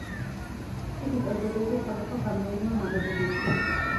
ციხის ტერიტორიაზე სხვადასხვა სამეურნეო ნაგებობებია.